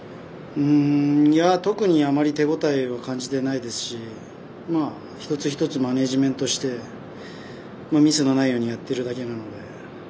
特にあまり手応えは感じてないですし一つ一つ、マネージメントしてミスのないようにやっているだけなので。